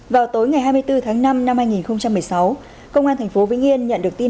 vào tối ngày hai mươi bốn tháng năm năm hai nghìn một mươi sáu công an tp vĩnh yên nhận được tin